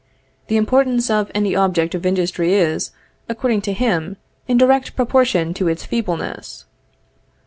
The importance of any object of industry is, according to him, in direct proportion to its feebleness.